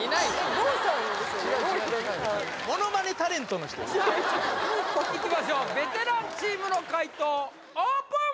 ＧＯひろみさんいきましょうベテランチームの解答オープン！